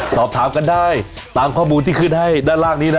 สอบถามกันได้ตามข้อมูลที่ขึ้นให้ด้านล่างนี้นะ